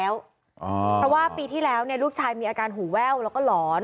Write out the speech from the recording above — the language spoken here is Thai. เพราะว่าปีที่แล้วลูกชายมีอาการหูแว่วแล้วก็หลอน